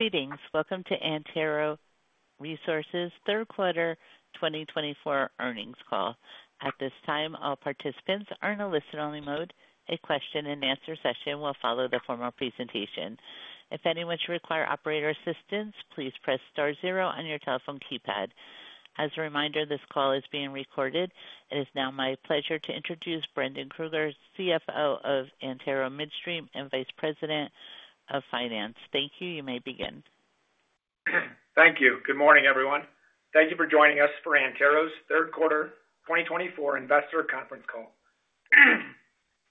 Greetings. Welcome to Antero Resources' 3rd Quarter 2024 Earnings Call. At this time, all participants are in a listen-only mode. A question-and-answer session will follow the formal presentation. If anyone should require operator assistance, please press star zero on your telephone keypad. As a reminder, this call is being recorded. It is now my pleasure to introduce Brendan Krueger, CFO of Antero Midstream and Vice President of Finance. Thank you. You may begin. Thank you. Good morning, everyone. Thank you for joining us for Antero's 3rd Quarter 2024 Investor Conference Call.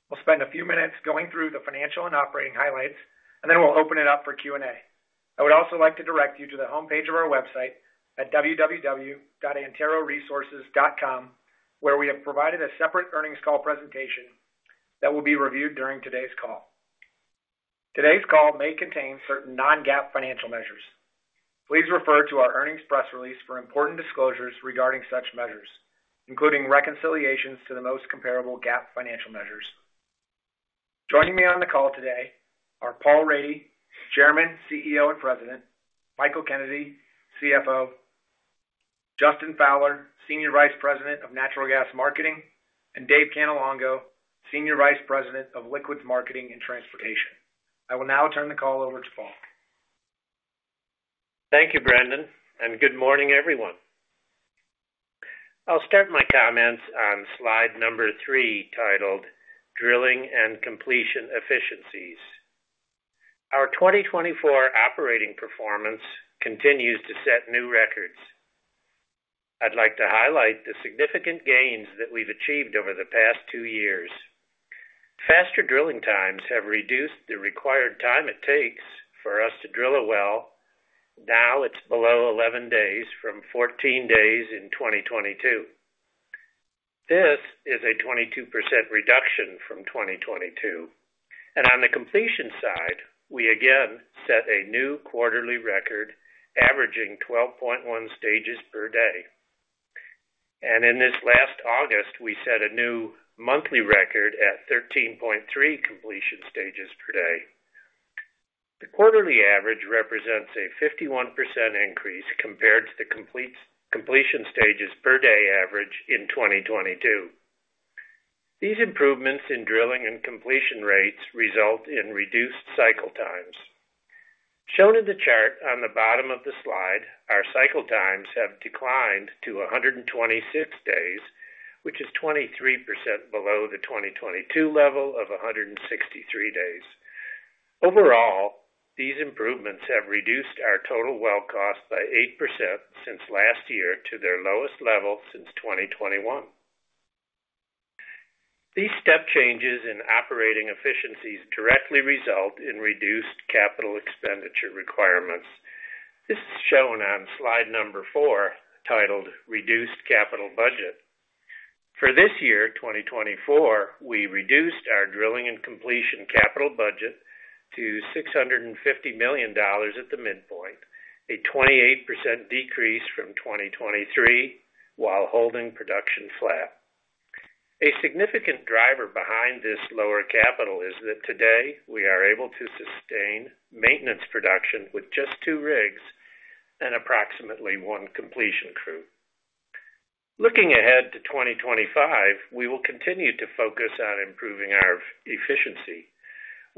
We'll spend a few minutes going through the financial and operating highlights, and then we'll open it up for Q&A. I would also like to direct you to the homepage of our website at www.anteroresources.com, where we have provided a separate earnings call presentation that will be reviewed during today's call. Today's call may contain certain non-GAAP financial measures. Please refer to our earnings press release for important disclosures regarding such measures, including reconciliations to the most comparable GAAP financial measures. Joining me on the call today are Paul Rady, Chairman, CEO, and President, Michael Kennedy, CFO, Justin Fowler, Senior Vice President of Natural Gas Marketing, and Dave Cannelongo, Senior Vice President of Liquids Marketing and Transportation. I will now turn the call over to Paul. Thank you, Brendan, and good morning, everyone. I'll start my comments on slide 3, titled "Drilling and Completion Efficiencies." Our 2024 operating performance continues to set new records. I'd like to highlight the significant gains that we've achieved over the past two years. Faster drilling times have reduced the required time it takes for us to drill a well. Now it's below 11 days from 14 days in 2022. This is a 22% reduction from 2022, and on the completion side, we again set a new quarterly record, averaging 12.1 stages per day, and in this last August, we set a new monthly record at 13.3 completion stages per day. The quarterly average represents a 51% increase compared to the completion stages per day average in 2022. These improvements in drilling and completion rates result in reduced cycle times. Shown in the chart on the bottom of the slide, our cycle times have declined to 126 days, which is 23% below the 2022 level of 163 days. Overall, these improvements have reduced our total well cost by 8% since last year to their lowest level since 2021. These step changes in operating efficiencies directly result in reduced capital expenditure requirements. This is shown on slide 4, titled "Reduced Capital Budget." For this year, 2024, we reduced our drilling and completion capital budget to $650 million at the midpoint, a 28% decrease from 2023, while holding production flat. A significant driver behind this lower capital is that today we are able to sustain maintenance production with just two rigs and approximately one completion crew. Looking ahead to 2025, we will continue to focus on improving our efficiency.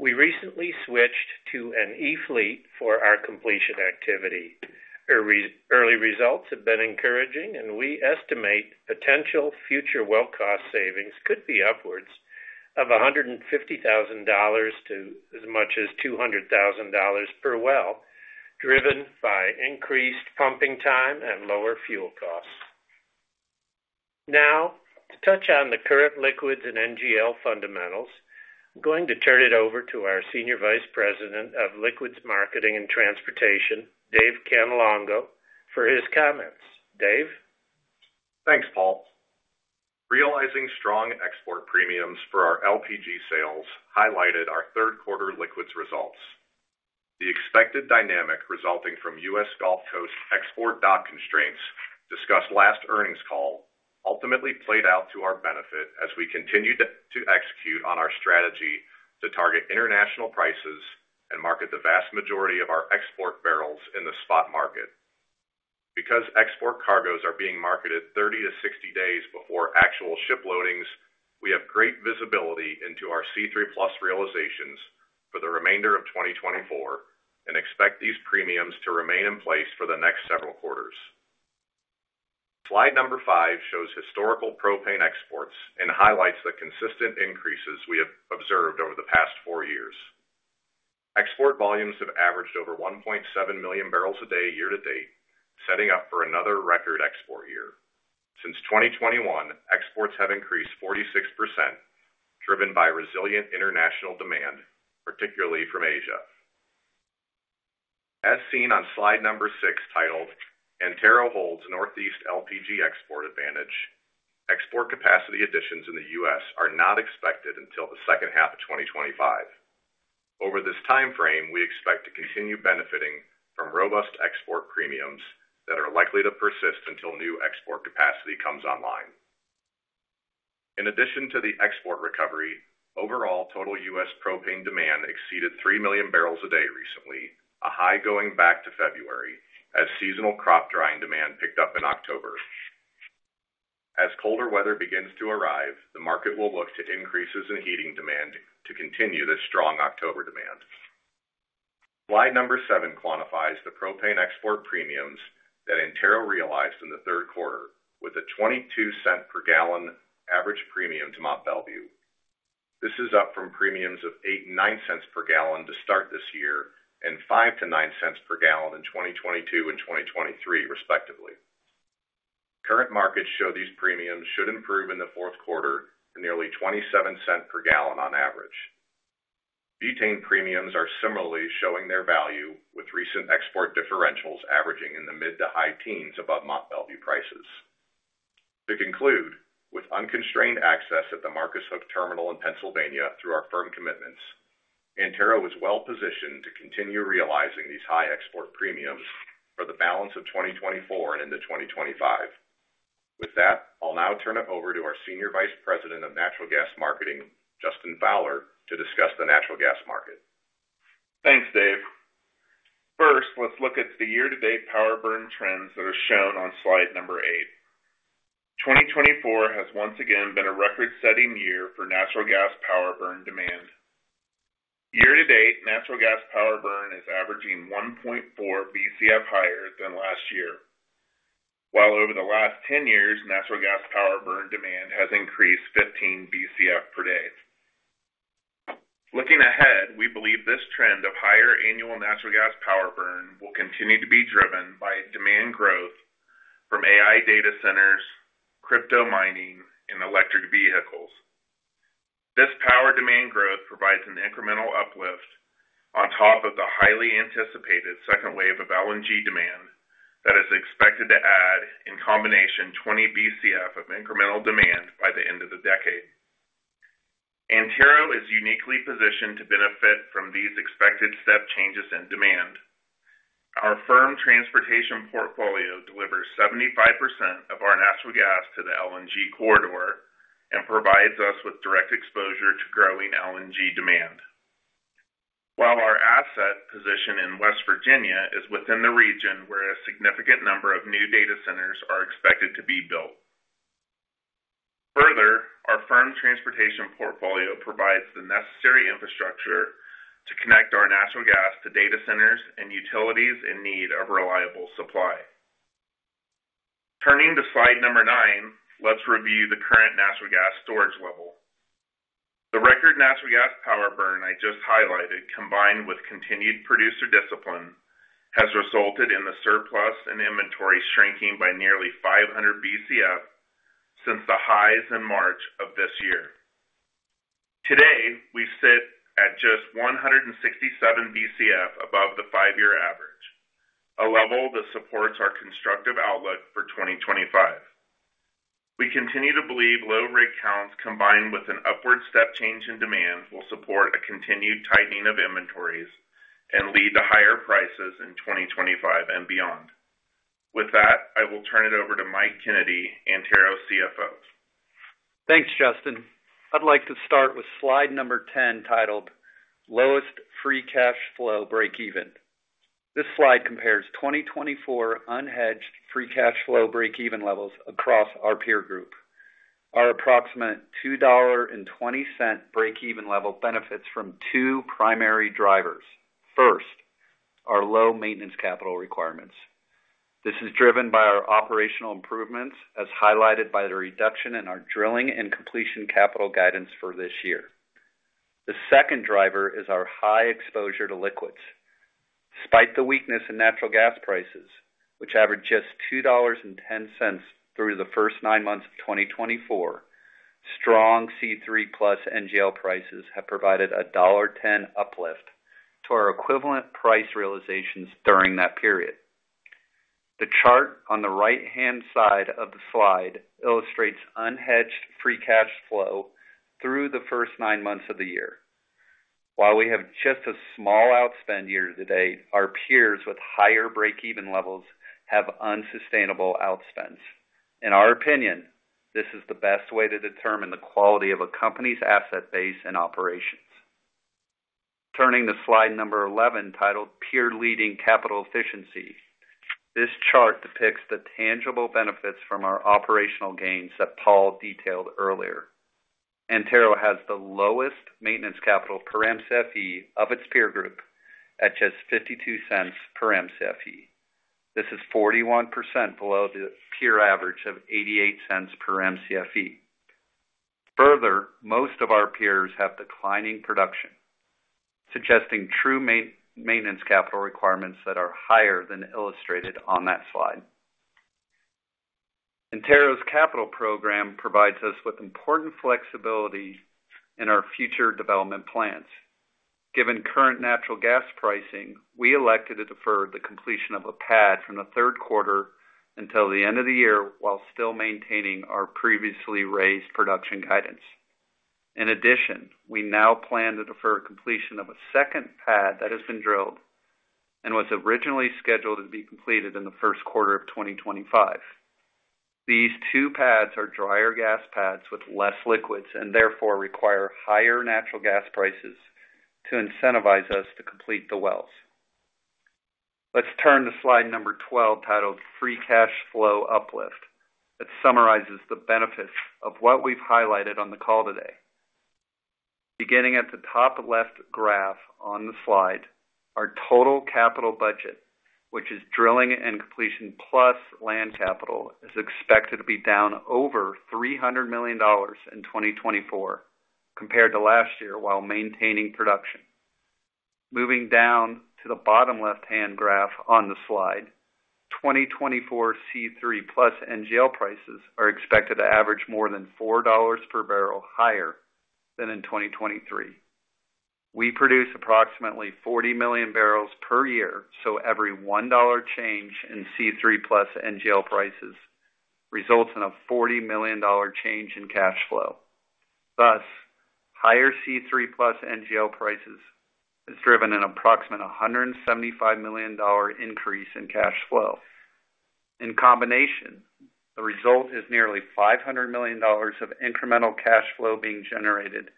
We recently switched to an E-fleet for our completion activity. Early results have been encouraging, and we estimate potential future well cost savings could be upwards of $150,000 to as much as $200,000 per well, driven by increased pumping time and lower fuel costs. Now, to touch on the current liquids and NGL fundamentals, I'm going to turn it over to our Senior Vice President of Liquids Marketing and Transportation, Dave Cannelongo, for his comments. Dave. Thanks, Paul. Realizing strong export premiums for our LPG sales highlighted our 3rd quarter liquids results. The expected dynamic resulting from U.S. Gulf Coast export dock constraints discussed last earnings call ultimately played out to our benefit as we continued to execute on our strategy to target international prices and market the vast majority of our export barrels in the spot market. Because export cargoes are being marketed 30-60 days before actual ship loadings, we have great visibility into our C3+ realizations for the remainder of 2024 and expect these premiums to remain in place for the next several quarters. Slide number 5 shows historical propane exports and highlights the consistent increases we have observed over the past four years. Export volumes have averaged over 1.7 million barrels a day year-to-date, setting up for another record export year. Since 2021, exports have increased 46%, driven by resilient international demand, particularly from Asia. As seen on slide number 6, titled "Antero Holds Northeast LPG Export Advantage," export capacity additions in the U.S. are not expected until the 2nd half of 2025. Over this time frame, we expect to continue benefiting from robust export premiums that are likely to persist until new export capacity comes online. In addition to the export recovery, overall total U.S. propane demand exceeded three million barrels a day recently, a high going back to February as seasonal crop drying demand picked up in October. As colder weather begins to arrive, the market will look to increases in heating demand to continue this strong October demand. Slide number 7, quantifies the propane export premiums that Antero realized in the 3rd quarter, with a $0.22 per gallon average premium to Mont Belvieu. This is up from premiums of 8.9 cents per gallon to start this year and 5.9 cents per gallon in 2022 and 2023, respectively. Current markets show these premiums should improve in the 4th quarter to nearly $0.27 per gallon on average. Butane premiums are similarly showing their value, with recent export differentials averaging in the mid to high teens above Mont Belvieu prices. To conclude, with unconstrained access at the Marcus Hook terminal in Pennsylvania through our firm commitments, Antero is well positioned to continue realizing these high export premiums for the balance of 2024 and into 2025. With that, I'll now turn it over to our Senior Vice President of Natural Gas Marketing, Justin Fowler, to discuss the natural gas market. Thanks, Dave. First, let's look at the year-to-date power burn trends that are shown on slide number 8. 2024 has once again been a record-setting year for natural gas power burn demand. Year-to-date, natural gas power burn is averaging 1.4 BCF higher than last year, while over the last 10 years, natural gas power burn demand has increased 15 BCF per day. Looking ahead, we believe this trend of higher annual natural gas power burn will continue to be driven by demand growth from AI data centers, crypto mining, and electric vehicles. This power demand growth provides an incremental uplift on top of the highly anticipated second wave of LNG demand that is expected to add, in combination, 20 BCF of incremental demand by the end of the decade. Antero is uniquely positioned to benefit from these expected step changes in demand. Our firm transportation portfolio delivers 75% of our natural gas to the LNG corridor and provides us with direct exposure to growing LNG demand, while our asset position in West Virginia is within the region where a significant number of new data centers are expected to be built. Further, our firm transportation portfolio provides the necessary infrastructure to connect our natural gas to data centers and utilities in need of reliable supply. Turning to slide number 9, let's review the current natural gas storage level. The record natural gas power burn I just highlighted, combined with continued producer discipline, has resulted in the surplus and inventory shrinking by nearly 500 BCF since the highs in March of this year. Today, we sit at just 167 BCF above the five-year average, a level that supports our constructive outlook for 2025. We continue to believe low rig counts combined with an upward step change in demand will support a continued tightening of inventories and lead to higher prices in 2025 and beyond. With that, I will turn it over to Mike Kennedy, Antero CFO. Thanks, Justin. I'd like to start with slide number 10, titled "Lowest Free Cash Flow Breakeven." This slide compares 2024 unhedged free cash flow breakeven levels across our peer group. Our approximate $2.20 breakeven level benefits from two primary drivers. First, our low maintenance capital requirements. This is driven by our operational improvements, as highlighted by the reduction in our drilling and completion capital guidance for this year. The second driver is our high exposure to liquids. Despite the weakness in natural gas prices, which averaged just $2.10 through the first nine months of 2024, strong C3+ NGL prices have provided a $1.10 uplift to our equivalent price realizations during that period. The chart on the right-hand side of the slide illustrates unhedged free cash flow through the first nine months of the year. While we have just a small outspend year-to-date, our peers with higher breakeven levels have unsustainable outspends. In our opinion, this is the best way to determine the quality of a company's asset base and operations. Turning to slide number 11, titled "Peer Leading Capital Efficiency," this chart depicts the tangible benefits from our operational gains that Paul detailed earlier. Antero has the lowest maintenance capital per MCFE of its peer group at just $0.52 per MCFE. This is 41% below the peer average of $0.88 per MCFE. Further, most of our peers have declining production, suggesting true maintenance capital requirements that are higher than illustrated on that slide. Antero's capital program provides us with important flexibility in our future development plans. Given current natural gas pricing, we elected to defer the completion of a pad from the 3rd quarter until the end of the year while still maintaining our previously raised production guidance. In addition, we now plan to defer completion of a second pad that has been drilled and was originally scheduled to be completed in the 1st quarter of 2025. These two pads are drier gas pads with less liquids and therefore require higher natural gas prices to incentivize us to complete the wells. Let's turn to slide number 12, titled "Free Cash Flow Uplift," that summarizes the benefits of what we've highlighted on the call today. Beginning at the top left graph on the slide, our total capital budget, which is drilling and completion plus land capital, is expected to be down over $300 million in 2024 compared to last year while maintaining production. Moving down to the bottom left-hand graph on the slide, 2024 C3+ NGL prices are expected to average more than $4 per barrel higher than in 2023. We produce approximately 40 million barrels per year, so every $1 change in C3+ NGL prices results in a $40 million change in cash flow. Thus, higher C3+ NGL prices is driven an approximate $175 million increase in cash flow. In combination, the result is nearly $500 million of incremental cash flow being generated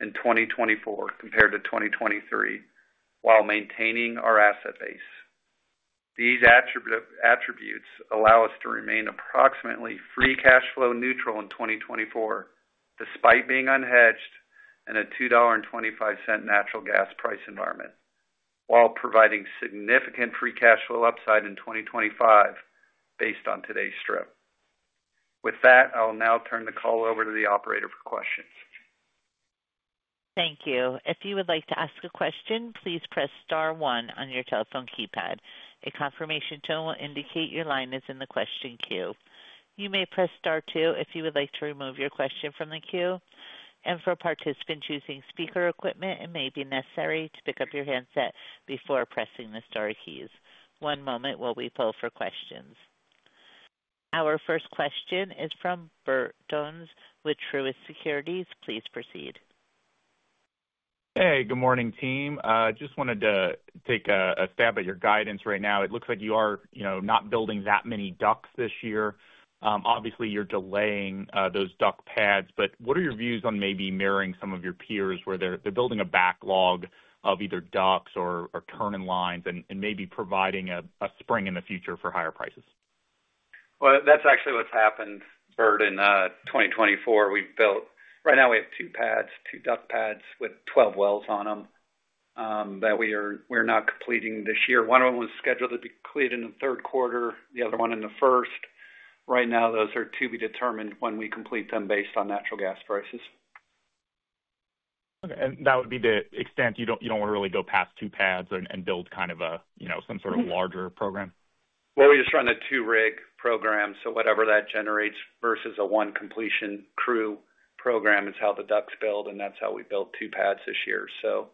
in 2024 compared to 2023 while maintaining our asset base. These attributes allow us to remain approximately free cash flow neutral in 2024 despite being unhedged in a $2.25 natural gas price environment, while providing significant free cash flow upside in 2025 based on today's strip. With that, I'll now turn the call over to the operator for questions. Thank you. If you would like to ask a question, please press star one on your telephone keypad. A confirmation tone will indicate your line is in the question queue. You may press star two if you would like to remove your question from the queue. And for participants using speaker equipment, it may be necessary to pick up your handset before pressing the star keys. One moment while we pull for questions. Our first question is from Bertrand Donnes with Truist Securities. Please proceed. Hey, good morning, team. Just wanted to take a stab at your guidance right now. It looks like you are not building that many DUCs this year. Obviously, you're delaying those DUC pads, but what are your views on maybe mirroring some of your peers where they're building a backlog of either DUCs or turning lines and maybe providing a spring in the future for higher prices? That's actually what's happened, Bert, in 2024. Right now, we have two pads, two DUC pads with 12 wells on them that we are not completing this year. One of them was scheduled to be completed in the 3rd quarter, the other one in the first. Right now, those are to be determined when we complete them based on natural gas prices. Okay. And that would be the extent you don't want to really go past two pads and build kind of some sort of larger program? We just run a two-rig program, so whatever that generates versus a one completion crew program is how the DUCs build, and that's how we built two pads this year, so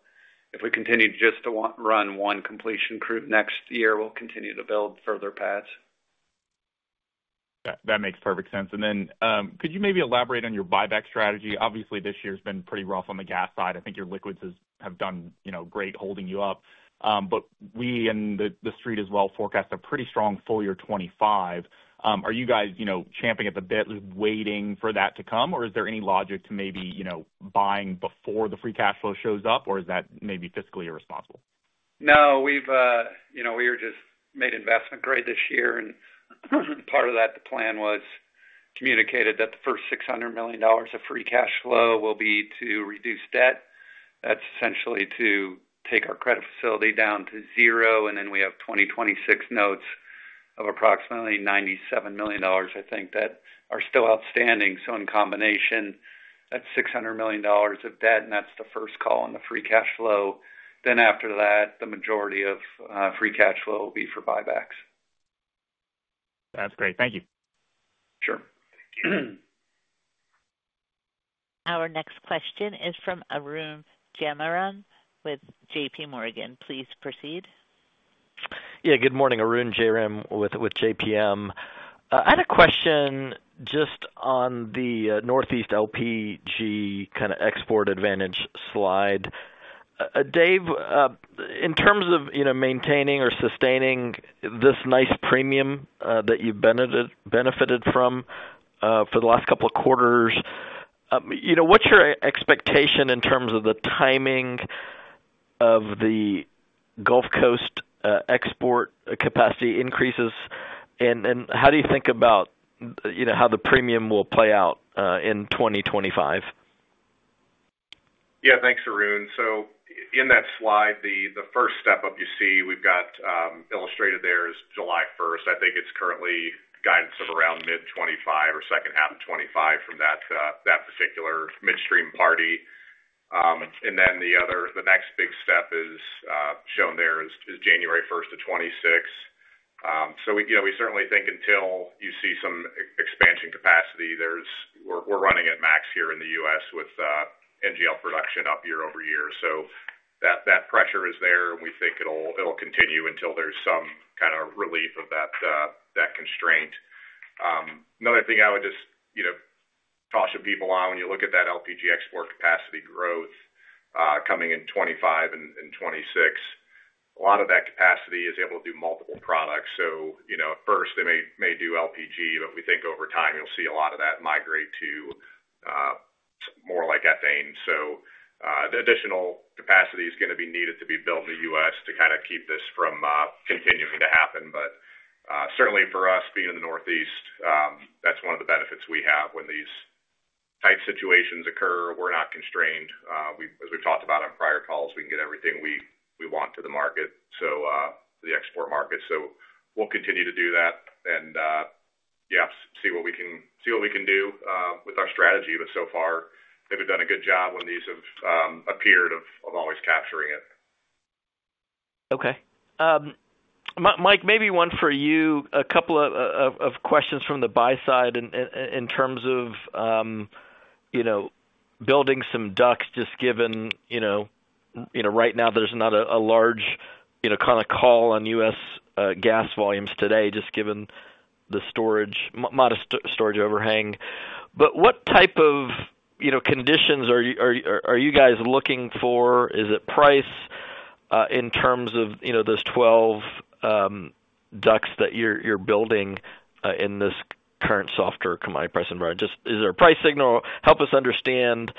if we continue just to run one completion crew next year, we'll continue to build further pads. That makes perfect sense. And then could you maybe elaborate on your buyback strategy? Obviously, this year has been pretty rough on the gas side. I think your liquids have done great holding you up. But we and the street as well forecast a pretty strong full year 2025. Are you guys champing at the bit, waiting for that to come, or is there any logic to maybe buying before the free cash flow shows up, or is that maybe fiscally irresponsible? No, we just made investment grade this year. And part of that, the plan was communicated that the first $600 million of free cash flow will be to reduce debt. That's essentially to take our credit facility down to zero. And then we have 2026 notes of approximately $97 million, I think, that are still outstanding. So in combination, that's $600 million of debt, and that's the first call on the free cash flow. Then after that, the majority of free cash flow will be for buybacks. That's great. Thank you. Sure. Our next question is from Arun Jayaram with J.P. Morgan. Please proceed. Yeah. Good morning, Arun Jayaram with JPM. I had a question just on the Northeast LPG kind of export advantage slide. Dave, in terms of maintaining or sustaining this nice premium that you've benefited from for the last couple of quarters, what's your expectation in terms of the timing of the Gulf Coast export capacity increases, and how do you think about how the premium will play out in 2025? Yeah. Thanks, Arun. So in that slide, the first step up you see we've got illustrated there is July 1st. I think it's currently guidance of around mid-2025 or 2nd half of 2025 from that particular midstream party. And then the next big step shown there is January 1st to 26th. So we certainly think until you see some expansion capacity, we're running at max here in the U.S. with NGL production up year-over-year. So that pressure is there, and we think it'll continue until there's some kind of relief of that constraint. Another thing I would just caution people on, when you look at that LPG export capacity growth coming in 2025 and 2026, a lot of that capacity is able to do multiple products. So, at first, they may do LPG, but we think over time, you'll see a lot of that migrate to more like ethane. So, the additional capacity is going to be needed to be built in the U.S. to kind of keep this from continuing to happen. But certainly, for us being in the Northeast, that's one of the benefits we have when these tight situations occur. We're not constrained. As we've talked about on prior calls, we can get everything we want to the market, so the export market. So, we'll continue to do that and, yeah, see what we can do with our strategy. But so far, they've done a good job when these have appeared of always capturing it. Okay. Mike, maybe one for you, a couple of questions from the buy side in terms of building some DUCs, just given right now there's not a large kind of call on U.S. gas volumes today, just given the modest storage overhang. But what type of conditions are you guys looking for? Is it price in terms of those 12 DUCs that you're building in this current softer commodity price environment? Is there a price signal? Help us understand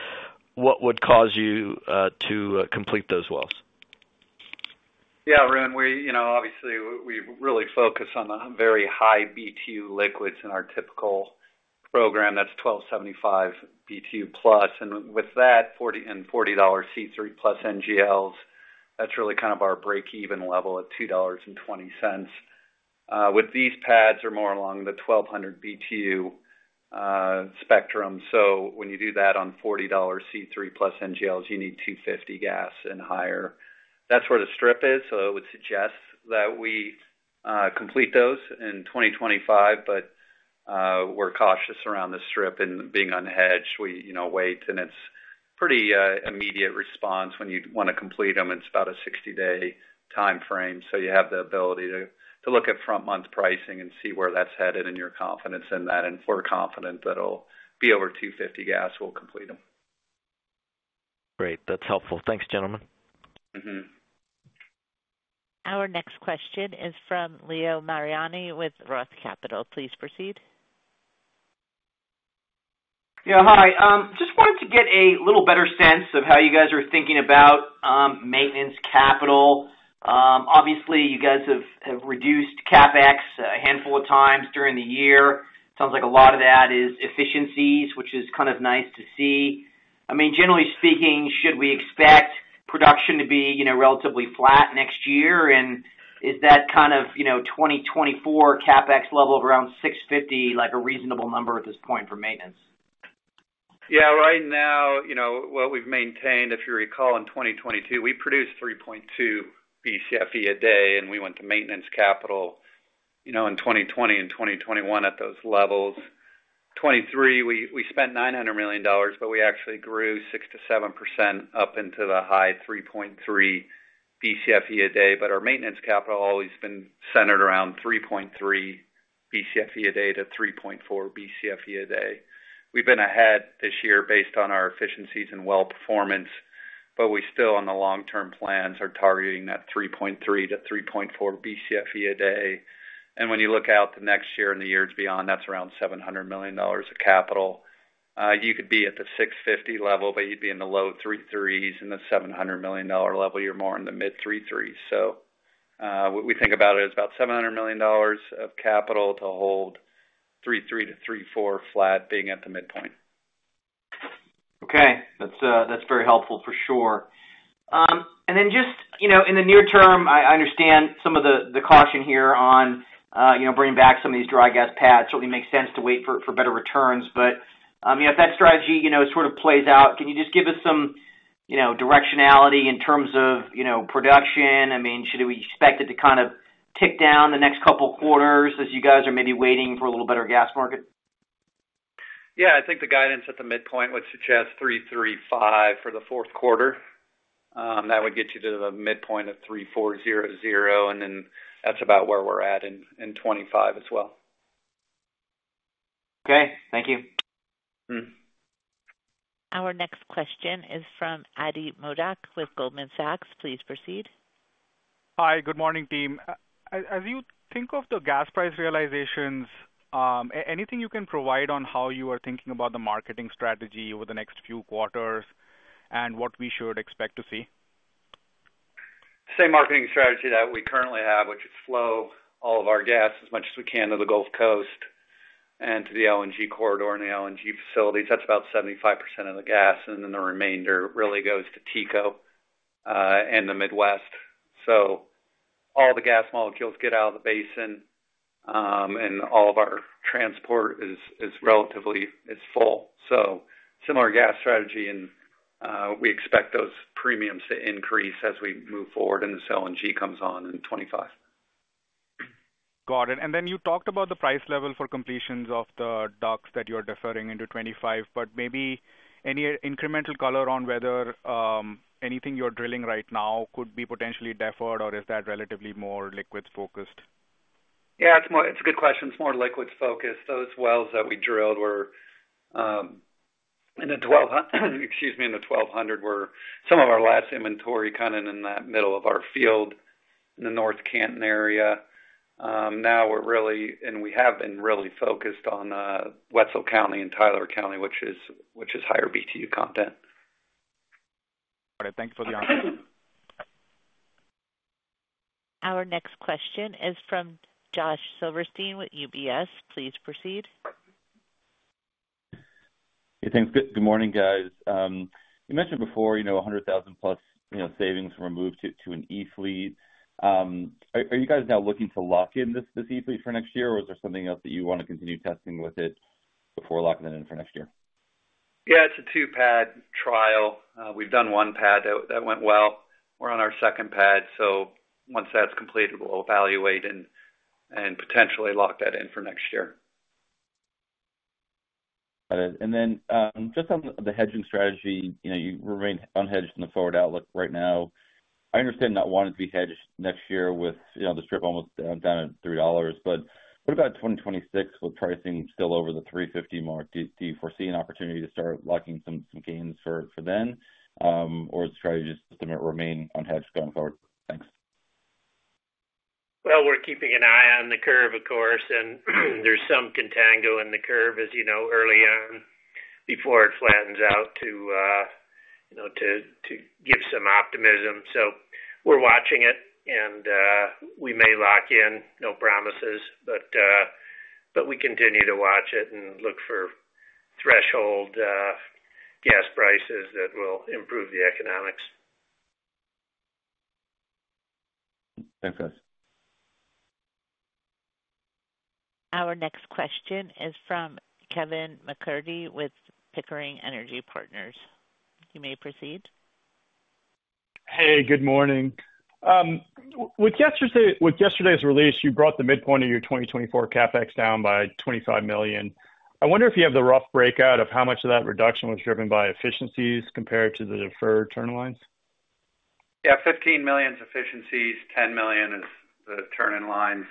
what would cause you to complete those wells. Yeah, Arun, obviously, we really focus on the very high BTU liquids in our typical program. That's 1275 BTU plus. And with that and $40 C3+ NGLs, that's really kind of our breakeven level at $2.20. With these pads, they're more along the 1200 BTU spectrum. So when you do that on $40 C3+ NGLs, you need $2.50 gas and higher. That's where the strip is. So it would suggest that we complete those in 2025. But we're cautious around the strip and being unhedged. We wait, and it's pretty immediate response when you want to complete them. It's about a 60-day timeframe. So you have the ability to look at front-month pricing and see where that's headed and your confidence in that. And if we're confident that it'll be over $2.50 gas, we'll complete them. Great. That's helpful. Thanks, gentlemen. Our next question is from Leo Mariani with Roth Capital. Please proceed. Yeah. Hi. Just wanted to get a little better sense of how you guys are thinking about maintenance capital. Obviously, you guys have reduced CapEx a handful of times during the year. It sounds like a lot of that is efficiencies, which is kind of nice to see. I mean, generally speaking, should we expect production to be relatively flat next year? And is that kind of 2024 CapEx level of around $650 million a reasonable number at this point for maintenance? Yeah. Right now, what we've maintained, if you recall, in 2022, we produced 3.2 BCFE a day, and we went to maintenance capital in 2020 and 2021 at those levels. In 2023, we spent $900 million, but we actually grew 6%-7% up into the high 3.3 BCFE a day. But our maintenance capital has always been centered around 3.3 BCFE a day to 3.4 BCFE a day. We've been ahead this year based on our efficiencies and well performance, but we still, on the long-term plans, are targeting that 3.3 to 3.4 BCFE a day. When you look out to next year and the years beyond, that's around $700 million of capital. You could be at the $650 million level, but you'd be in the low 3.3s and the $700 million level. You're more in the mid-3.3s. So what we think about it is about $700 million of capital to hold 3.3-3.4 flat, being at the midpoint. Okay. That's very helpful for sure. And then just in the near term, I understand some of the caution here on bringing back some of these dry gas pads certainly makes sense to wait for better returns. But if that strategy sort of plays out, can you just give us some directionality in terms of production? I mean, should we expect it to kind of tick down the next couple of quarters as you guys are maybe waiting for a little better gas market? Yeah. I think the guidance at the midpoint would suggest 335 for the 4th quarter. That would get you to the midpoint of 3400, and then that's about where we're at in 2025 as well. Okay. Thank you. Our next question is from Ati Modak with Goldman Sachs. Please proceed. Hi. Good morning, team. As you think of the gas price realizations, anything you can provide on how you are thinking about the marketing strategy over the next few quarters and what we should expect to see? Same marketing strategy that we currently have, which is flow all of our gas as much as we can to the Gulf Coast and to the LNG corridor and the LNG facilities. That's about 75% of the gas. And then the remainder really goes to TETCO and the Midwest. So all the gas molecules get out of the basin, and all of our transport is relatively full. So similar gas strategy, and we expect those premiums to increase as we move forward and the LNG comes on in 2025. Got it. And then you talked about the price level for completions of the DUCs that you are deferring into 2025, but maybe any incremental color on whether anything you're drilling right now could be potentially deferred, or is that relatively more liquids-focused? Yeah. It's a good question. It's more liquids-focused. Those wells that we drilled were in the 1200, excuse me, in the 1200 were some of our last inventory kind of in the middle of our field in the North Canton area. Now we're really and we have been really focused on Wetzel County and Tyler County, which is higher BTU content. Got it. Thanks for the answer. Our next question is from Josh Silverstein with UBS. Please proceed. Hey, thanks. Good morning, guys. You mentioned before 100,000-plus savings were moved to an E-fleet. Are you guys now looking to lock in this E-fleet for next year, or is there something else that you want to continue testing with it before locking that in for next year? Yeah. It's a two-pad trial. We've done one pad that went well. We're on our second pad. So once that's completed, we'll evaluate and potentially lock that in for next year. Got it. And then just on the hedging strategy, you remain unhedged in the forward outlook right now. I understand not wanting to be hedged next year with the strip almost down at $3. But what about 2026 with pricing still over the $3.50 mark? Do you foresee an opportunity to start locking some gains for then, or is the strategy just to remain unhedged going forward? Thanks. We're keeping an eye on the curve, of course, and there's some contango in the curve, as you know, early on, before it flattens out to give some optimism, so we're watching it, and we may lock in. No promises, but we continue to watch it and look for threshold gas prices that will improve the economics. Thanks, guys. Our next question is from Kevin McCurdy with Pickering Energy Partners. You may proceed. Hey, good morning. With yesterday's release, you brought the midpoint of your 2024 CapEx down by $25 million. I wonder if you have the rough breakout of how much of that reduction was driven by efficiencies compared to the deferred turn-on lines? Yeah. $15 million's efficiencies. $10 million is the turn-on lines.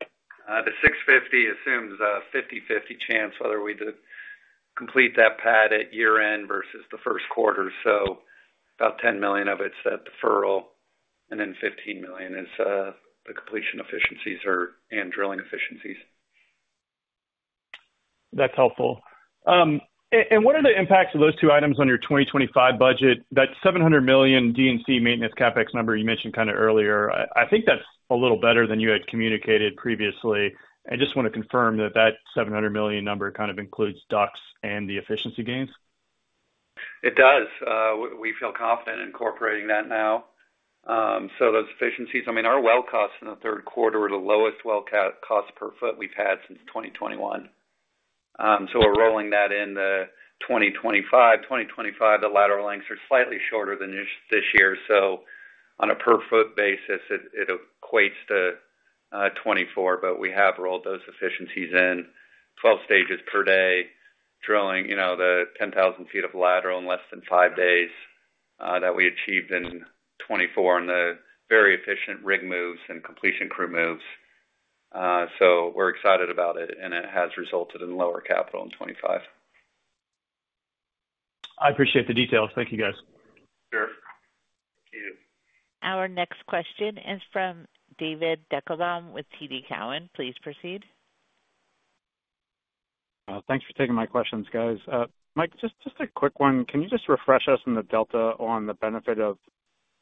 The $650 assumes a 50/50 chance whether we complete that pad at year-end versus the 1st quarter. So about $10 million of it's that deferral, and then $15 million is the completion efficiencies and drilling efficiencies. That's helpful. And what are the impacts of those two items on your 2025 budget? That $700 million D&C maintenance CapEx number you mentioned kind of earlier, I think that's a little better than you had communicated previously. I just want to confirm that that $700 million number kind of includes DUCs and the efficiency gains? It does. We feel confident in incorporating that now. So those efficiencies, I mean, our well costs in the 3rd quarter were the lowest well cost per foot we've had since 2021. So we're rolling that in the 2025. 2025, the lateral lengths are slightly shorter than this year. So on a per-foot basis, it equates to 24. But we have rolled those efficiencies in 12 stages per day, drilling the 10,000 feet of lateral in less than five days that we achieved in 2024 on the very efficient rig moves and completion crew moves. So we're excited about it, and it has resulted in lower capital in 2025. I appreciate the details. Thank you, guys. Sure. Thank you. Our next question is from David Deckelbaum with TD Cowen. Please proceed. Thanks for taking my questions, guys. Mike, just a quick one. Can you just refresh us on the delta on the benefit of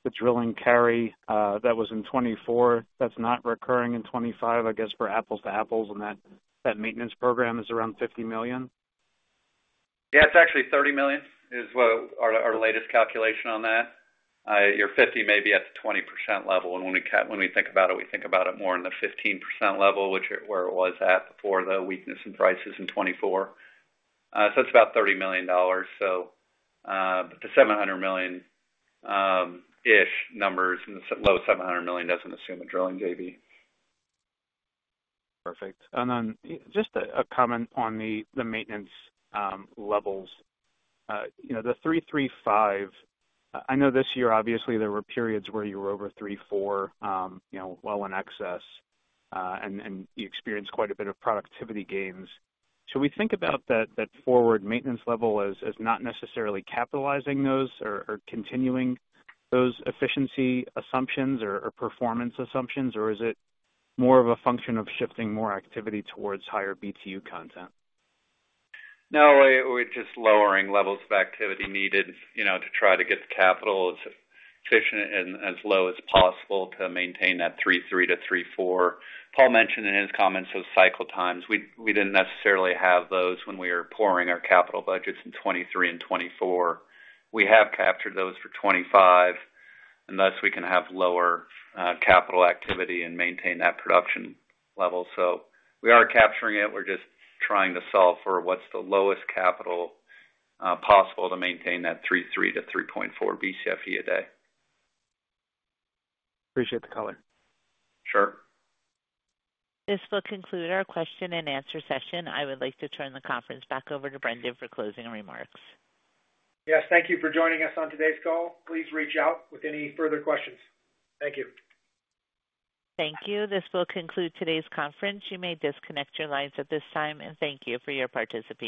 the drilling carry that was in 2024 that's not recurring in 2025? I guess we're apples to apples, and that maintenance program is around $50 million. Yeah. It's actually $30 million is our latest calculation on that. Your $50 million may be at the 20% level. And when we think about it, we think about it more in the 15% level, which is where it was at before the weakness in prices in 2024. So it's about $30 million. So the $700 million-ish numbers and the low $700 million doesn't assume a drilling JV. Perfect. And then just a comment on the maintenance levels. The 3.35, I know this year, obviously, there were periods where you were over 3.4, well in excess, and you experienced quite a bit of productivity gains. Should we think about that forward maintenance level as not necessarily capitalizing those or continuing those efficiency assumptions or performance assumptions, or is it more of a function of shifting more activity towards higher BTU content? No. We're just lowering levels of activity needed to try to get the capital as efficient and as low as possible to maintain that 3.3 to 3.4. Paul mentioned in his comments those cycle times. We didn't necessarily have those when we were pouring our capital budgets in 2023 and 2024. We have captured those for 2025, and thus we can have lower capital activity and maintain that production level. So we are capturing it. We're just trying to solve for what's the lowest capital possible to maintain that 3.3 to 3.4 BCFE a day. Appreciate the color. Sure. This will conclude our question-and-answer session. I would like to turn the conference back over to Brendan for closing remarks. Yes. Thank you for joining us on today's call. Please reach out with any further questions. Thank you. Thank you. This will conclude today's conference. You may disconnect your lines at this time, and thank you for your participation.